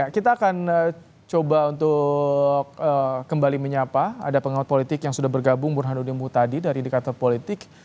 kita akan coba untuk kembali menyapa ada pengawat politik yang sudah bergabung burhanuddin mutadi dari indikator politik